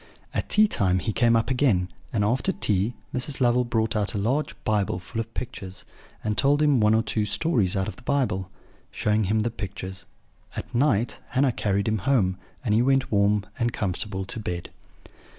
At tea time he came up again; and after tea Mrs. Lovel brought out a large Bible full of pictures, and told him one or two stories out of the Bible, showing him the pictures. At night Hannah carried him home, and he went warm and comfortable to bed.